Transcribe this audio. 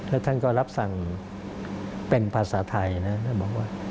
แล้วท่านก็รับสั่งเป็นภาษาไทยนะท่านบอกว่า